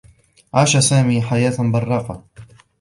عاش سامي حياة برّاقة.